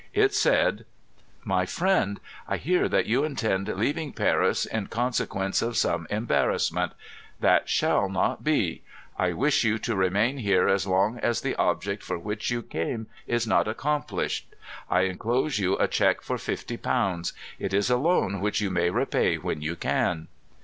It said : 44 My friend, I hear that you intend leaving Paris in conse quence of some embarrassment That shall not be. I wish you to remain here as long as the object for which you came is not accomplished. I enclose you a check for ┬Ż60. It is a loan which you may repay when you can."